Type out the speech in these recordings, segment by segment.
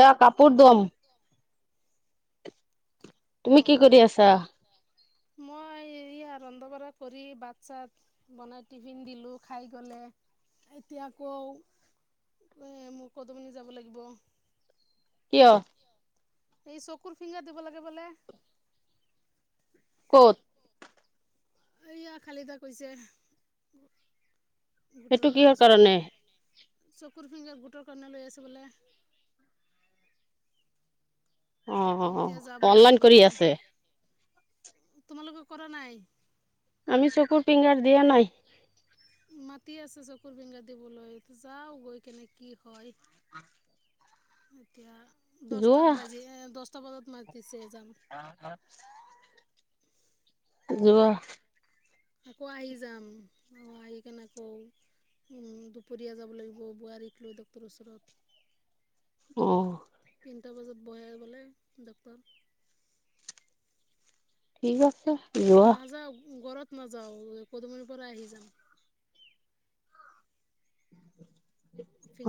এয়া কাপোৰ দম। তুমি কি কৰি আছা? মই এতিয়া ৰন্ধা-বঢ়া কৰি বাট-চাত বনাই টিফিন দিলো খাই গলে। এতিয়া আকৌ এ ম কদুমনি যাব লাগিব। কিয় এই চকুৰ ফিংগাৰ দিব লাগে বোলে ক'ত এয়া খালী তা কৈছে। গুটৰ কাৰণে চকুল কাৰ চকুৰ ফিংগাৰ গোটৰ কণ লৈ আছে বোলে অ অ অনলাইন কৰি আছে তোমালোকে কৰা নাই আমি চকুৰ পিংগাৰ দিয়া নাই মাতি আছে চকুৰ বিগা দিবলৈ যাও গৈ কেনে কি হয় এতিয়া দহটাত বাজি দশটা বজাত মাতিছ আহ হ যৱ আকৌ আহি যাম আহিককৌ উম দুপৰীয়া যাব লাগিব বোৱাৰীক লৈ ড্টৰৰ ওচৰত আহ তিনটা বজাত বয় বলে ডাকটৰ ঠিক আছে। নাযাও ঘৰত নাযাও কদুমণিৰ পৰা আহি যাম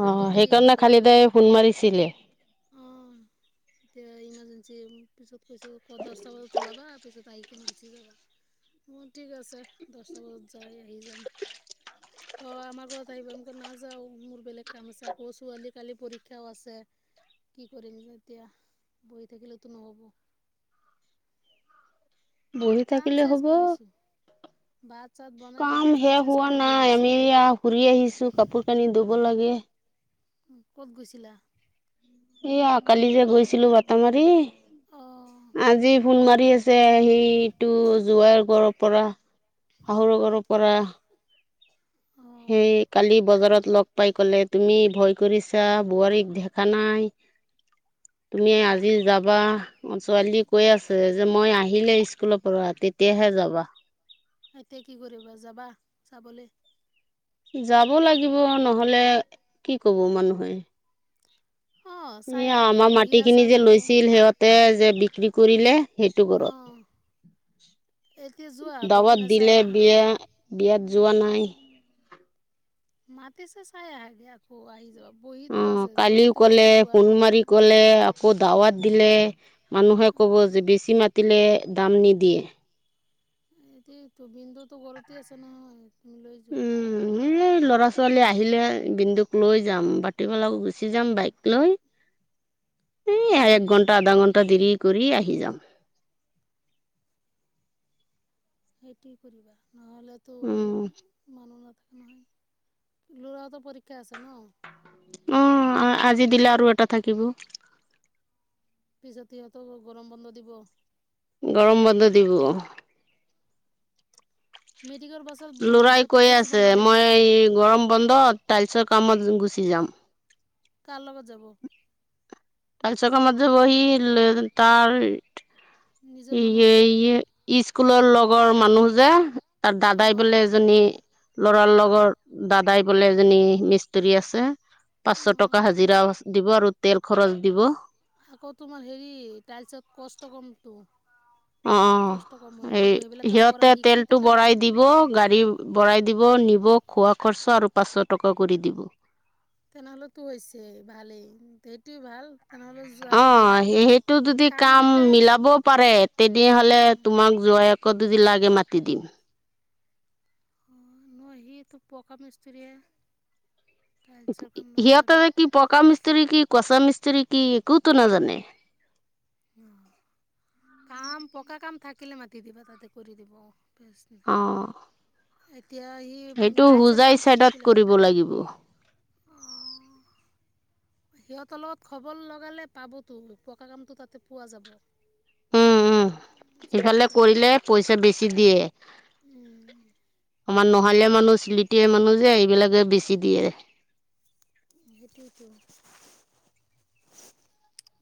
অ' সেইকাৰণে খালিদাই ফোন মাৰিছিলে অ' এতিয়া ইমাৰ্জেঞ্চি পিছত কৈছো ক দশটা বজাত ওলাবা পিছত কেনে গুচি যাবা অ ঠিক আছে দহটা বজাত যাই আহি যাম ক আমাৰ ক আহিব আমি ক না যাওঁ মোৰ বেলেগ কাম আছে আকৌ ছোৱালী কালি পৰীক্ষাও আছে কি কৰিম যে এতিয়া বহি থাকিলেতো নহব বহি থাকিল হব। কাম শেষ হোৱা নাই আমিয়া ঘুৰি আহিছো কাপোৰ কানি ধুব লাগে ক'ত গৈছিলা এয়া কালি যে গৈছিলো বতামাৰী আজি ফোন মাৰি আছে সেইটো জোৱাই গড়ৰ পৰা শাহ ৰগৰ পৰা সেই কালি বজাৰত লগ পাই কলে তুমি ভয় কৰিছা বোৱাৰীক দেখা নাই তুমি আজি যাবা ছোৱালী কৈ আছে যে মই আহিলে স্কুলৰ পঢ়া তেতিয়াহে যাবা এতিয়া কি কৰিবা যাবা চাবলৈ যাব লাগিব নহলে কি কব মানুহে এয়া আমাৰ মাটি খিনি যে লৈছিল সিহঁতে যে বিক্ৰী কৰিলে সেইটো কৰৰত দাবাদ দিলে বিয়া বিয়াত যোৱা নাই। মাাটি চ চয়া আহগ খ আহ যাবাব অ' কালিও কলে ফুন মাৰি কলে আকৌ দাৱাত দিলে মানুহে ক'ব যে বেছি মাতিলে দাম নিদিয়ে এতি বিন্দুতো ঘৰতে আছে নহয় তুমি লৈ যোৱা এই ল'ৰা ছোৱালী আহিলে বিন্দুক লৈ যাম বাাটমালাক গুচি যাম বাইক লৈ এই এক ঘণ্টা আধা ঘণ্টা দেৰি কৰি আহ যাম সেইট কৰিবা নহলেতো মানো নাক ন লৰাত পৰীক্ষা আছে ন অ আজি দিলে আৰু এটা থাকিব পিছত সিহঁতক গৰম বন্ধ দিব গৰম বন্ধ দিব লৰাই কৈ আছে মই এই গৰম বন্ধত টাইছৰ কামত গুচি যাম কাল ব যাব তালি চকা ম বহিল তাৰ এয় স্কুলৰ লগৰ মানুহ যে তাৰ দাদাই বোলে এজনী লৰাৰ লগত দাদাই বোলে এজনী মিস্ত্ৰী আছে পাঁচশ টকা হাজিৰা দিব আৰু তেল খৰচ দিব আকৌ তোমাৰ হেৰি তাৰপিছত কষ্ট কম তো অ এই সিহঁতে তেলতটো বঢ়াই দিব গাড়ী বঢ়াই দিব নিব খোৱা খৰচা আৰু পাঁচশ টকা কৰি দিব তেনেহ'লেতো হৈছে ভালেই সেইটোে ভাল [unintelligible] অ সেইটো যদি কাম মিলাব পাৰে তেতিয়লে তোমাক ক দু দিল আগে মাতি দিম ন সিহটো পকা মিস্ত্ৰীয়ে সিহঁতে যে কি পকা মিস্ত্ৰ্ৰী কি কচা মিস্ত্ৰ্ৰী কি কুতো নাজানে কাম পকা কাম থাকিলে মাতি দিবা তাতে কৰি দিব বেছ সেইটো হুজাই চাইডত কৰিব লাগিব সিহঁতৰ লগত খবৰ লগালে পাবতো পকা কামতো তাতে পোৱা যাব উম উম ইফালে কৰিলে পইচা বেছি দিয়ে আমাৰ নহালীয়া মানুহ চিলিটিয় মানুহ যে এইবিলাকে বেচি দিয়ে সেইটোোৱেইটোো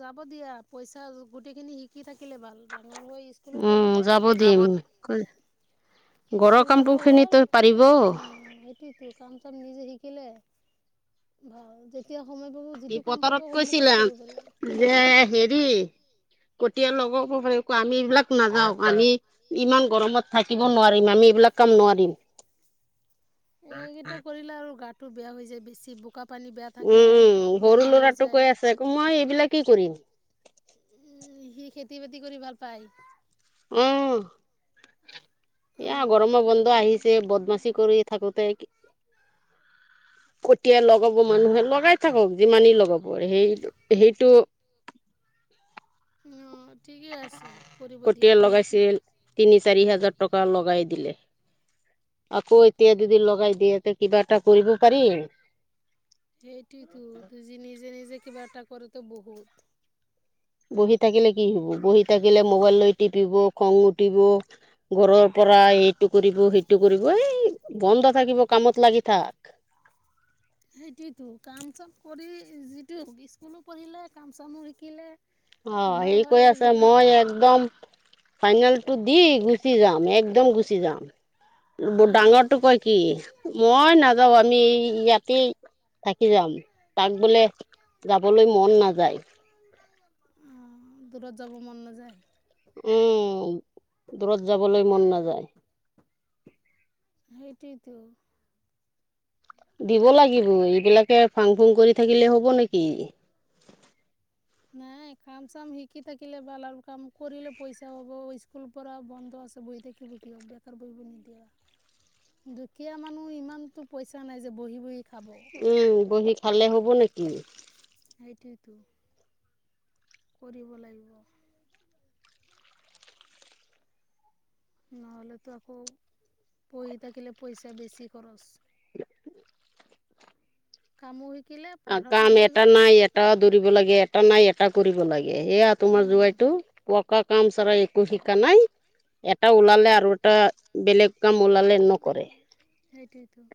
যাব দিয়া পইচা গোটেই খিনি শিকি থাকিলে ভাল তাক উম যাব দিম কৈ স্কুল পঢ়াও হ'ল এইটো চ চাম নিজে শিকিলে ভাল যেতিয়া স পতাৰৰত কৈছিলাম যে হেৰি গতিয়া লগাব পাৰ আমি এইবিলাক নাযাওক আমি ইমান গৰমত থাকিব নোৱাৰিম আমি এইবিলাক কাম নোৱাৰিম এইকেইটা কৰিলে আৰু গাটো বেয়া হৈ যায় বেছি বোকা উম উম সৰু ল'ৰাটোোক কৈ আছে আকৌ মই এইবিলাক কি কৰিম উম সি খেতি বাতি কৰি ভাল পায় অহ। এয়া গৰমৰ বন্ধ আহিছে, বদমাচি কৰি থাকোতে ক কাঠীয়া লগাব মানুহে, লগাই থাকক যিমানেই লগাব সেই সেইটো। [inaudible] ঠিকে আছে, কৰিব দিয়া, বহিটো চাৰি হাজাৰ টকা লগাই দিলে। আকৌ এতিয়া যদি লগাই দিয়ে তে কিবা এটা কৰিব পাৰি। সেইটোৱেটু, ত জি নিজে নিজে কিবা এটা কৰাটো বহুত। বহি থাকিলে কি হ'ব! বহি থাকিলে মোবাইল লৈ টিপিব, খং উঠিব, ঘৰৰ প ৰা এইটো কৰিব, সেইটো কৰিব, হেই, বন্ধ থাকিব কামত লাগি থাক। [inaudible] সেইটোৱেতো, কাম চাম কৰি যিটো, ইস্কুলো পঢ়িলে, কাম-চামো শিকিলে। অ, সি কৈ আছে মই একদম, ফাইনেলটো দি গুচি যাম, একদম গুচি যাম। ব ডাঙৰটো কয় কি, মই নাযাওঁ, আমি ইয়াতে, থাকি যাম। তাক বোলে, যাবলৈ মন নাযায়। অ', দূৰত যাব মন নাযায়। উম, দূৰত যাবলৈ মন নাযায়। সেইটোৱেতো। দিব লাগিব, এইবিলাকে ফাং ফুং কৰি থাকিলে হ'ব নেকি? নাই, কাম চাম শিকি থাকিলে ভাল আৰু কাম কৰিলে পইচা হ'ব, স্কুল পৰা বন্ধ আছে বহি থাকিব দিয়ক, বেকাৰ বহিব নিদিবা দুখীয়া মানুহ, ইমানতো পইচা নাই যে বহি বহি উম, বহি খালে হ'ব নেকি! সেইটোৱেতো, কৰিব লাগিব। নহ'লেতো আকৌ, বহি থাকিলে পইচা বেছি খৰচ। কামো শিক অ কাম এটা নাই এটা দৌৰিব লাগে, এটা নাই এ এটা কৰিব লাগে, এয়া তোমাৰ জোঁৱাইটো পকা কাম চাৰা একো শিকা নাই। এটা ওলালে আৰু এটা বেলেগ কাম ওলালে নকৰে। সেইটোৱেতো।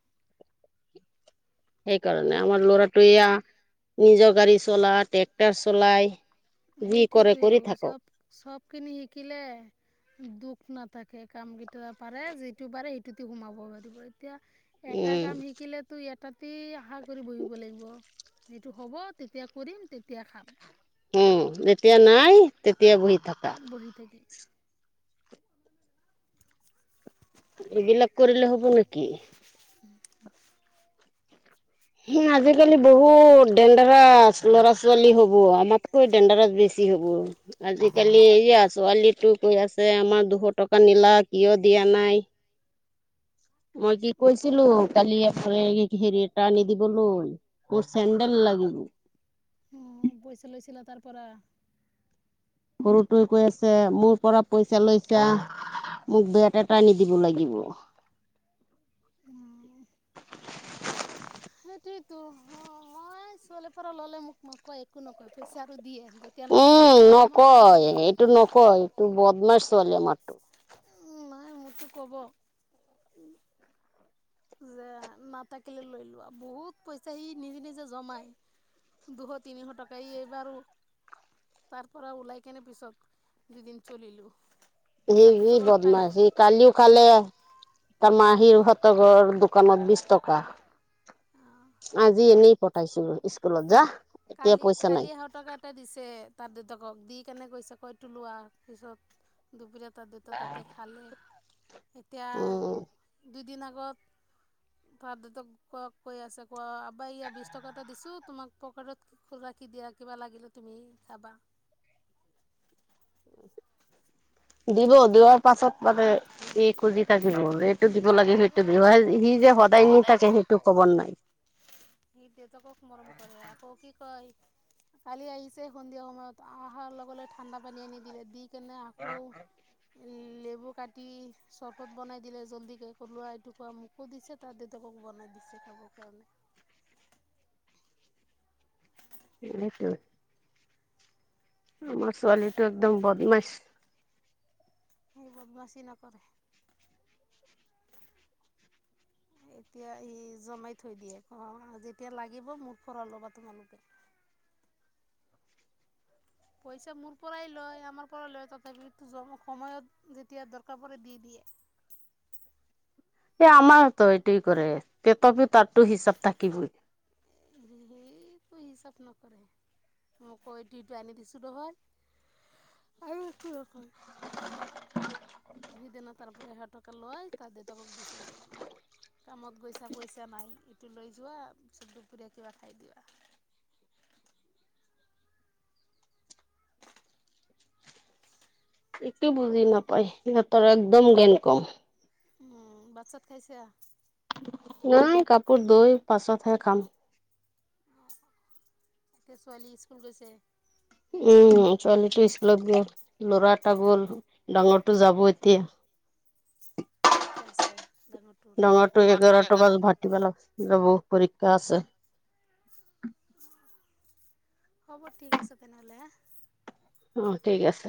সেইকাৰণে, আমাৰ ল'ৰাটো এয়া, নিজৰ গাড়ী চলাই, ট্ৰেক্টৰ চলাই। সেইটোৱেতো, চব চবখিনি শিকিলে দুখ নাপ তাকে, কাম কেইটা পাৰে, যিটো পাৰে সেইটোতে সোমাব পাৰিব। এতিয়া, এটা কাম শিকিলেতো ইয়াত তাতেই আশা কৰি বহিব লাগিব, এইটো হ'ব, তেতিয়া কৰিম, তেতিয়া খাম। উম, যেতিয়া নাই তেতিয়া বহি বহি থাকিব। এইবিলাক কৰিলে হ'ব নেকি? [inaudible] হুম, আজিকালি বহুত ডেণ্ডেৰাছ ল'ৰা ছোৱালী হ'ব, আমাতকৈ ডেণ্ডেৰাছ বেছি কি হ'ব, আজিকালি এইয়া ছোৱালীটো কৈ আছে আমাৰ দুশ টকা নিলা কিয় দিয়া দিয়া নাই? মই কি কৈছিলো, কালি এই কি হেৰি এটা আনি দিবলৈ, মোৰ চেণ্ডেল লাগিব। অ, পইচা লৈছিলা তাৰ পৰা? সৰুটোৱে কৈ আছে, মোৰ পৰা পইচা লৈছা। মোক বেট এটা আনি দিব লাগিব। [unintelligible] ো ছোৱালীৰ পৰা ল'লে মোক মকয় একো নকয় পইচাটো দিয়ে উম নকয় এইটো নকয় এইটো বদমাৰ ছোৱালী আমাৰতটো নাই মোৰতো ক'ব যে নাথাকিলে লৈ লো বহুত পইচা সি নিজে নিজে জমাই দুশ তিনিশ টকাাই ই এই বাৰু তাৰ পৰা ওলাই কেনে পিছত দুদিন চলিলো সেই বি বদমছ স কালিও খালে তাৰ মাহিৰ ফতৰ দোকানত বিশ টকা আজি এনেই পঠাইছিলো স্কুলত যা কালি কালি এশ টকা এটা দিছে তাৰ দেউতাকক দি কেনে কৈছে কৈ [unintelligible] [unintelligible] তাতে খালে এতিয়া দুদিন আগত তাৰ দেউত ক কৈ আছে কোৱা আবা ই বিশ টকা এটা দিছো তোমাক পকেটত খুৰাখি দিয়া কিবা লাগিলে তুমি খাবা দিব দাৰ পাছত মানে ই খুজি থাকে বিহু এইটো দিব লাগে সেইটো বিহু সি যে সদায় নি থাকে সেইটো ক'ব নোৱাৰাই সেই দেত কওক মৰম কৰেে ক কি কায় কালি আহিছে সন্ধিয়া সময়ত আহাৰ লগ লগ ঠাণ্ডা পানী আনি দিলে দি কেনে আকৌ নেমু কাতি চৰবত বনাই দিলে জলডিকে কাটি চৰফত বাই দিলে জল্দি কেে কলোৱা এটুকুা মোকো দিছে তাৰ দেউতাকক বনাই দিছে খাব কাৰণে [unintelligible] ৰোমৰ ছোৱালীটো একদম বদমাইছ এই বদমাচি নকৰে এতিয়া ই জমাই থৈ দিয়ে ক যেতিয়া লাগিব মোৰ ফৰা ল'বা তোমালোকে [unintelligible] পইচা মোৰ পৰাই লয় আমাৰ পৰা লয় তথাপি সময়ত যেতিয়া দৰকাৰ প দি দি [unintelligible] এ আমাৰতো এইটোয়ে কৰে তথাপিও তাতো হিচাপ থাকিবই [unintelligible] হিচাপ নকৰে মইকৈ ডিড আনি দিছোঁ ৰহয় [unintelligible] [unintelligible] হটকে লোৱায় তাৰতেতমাক দিছো যে কামত গৈছা পইচা নাই এইটো লৈ যোৱাি চ দুপুৰীয়া কিবা খাই দিবা [unintelligible] একো বুজি নাপায় সিহঁতৰ একদম জ্ঞান কম উম ভাত চাত খাইছা নাই কাপোৰ দৈ পাছতহে খাম এতিয়া ছোৱালী স্কুল গৈছে উম ছোৱালীটো স্কুলত গ' ল'ৰা এটা গ'ল ডাঙৰটো যাব এতিয়া [unintelligible] ডাঙৰ তটো এঘাৰ বছ ভতি পেলা যাব পৰিক্ষা আছে হ'ব ঠিক আছে তেনেহ'লে অ ঠিক আছে